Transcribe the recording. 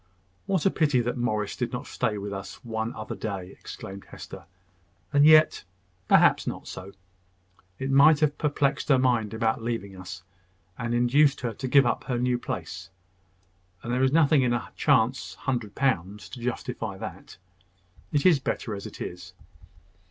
"What a pity that Morris did not stay this one other day!" exclaimed Hester. "And yet, perhaps, not so. It might have perplexed her mind about leaving us, and induced her to give up her new place; and there is nothing in a chance hundred pounds to justify that. It is better as it is."